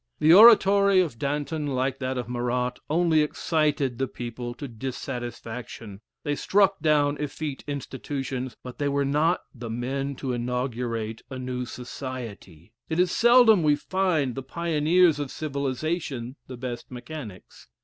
The oratory of Danton, like that of Marat, only excited the people to dissatisfaction; they struck down effete institutions, but they were not the men to inaugurate a new society. It is seldom we find the pioneers of civilization the best mechanics.